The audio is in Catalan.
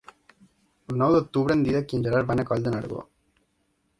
El nou d'octubre en Dídac i en Gerard van a Coll de Nargó.